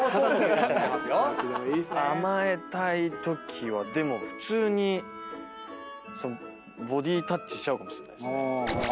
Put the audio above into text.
甘えたいときは普通にボディータッチしちゃうかもしんないっすね。